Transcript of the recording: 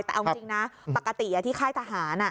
แต่เอาจริงนะปกติที่ค่ายทหาร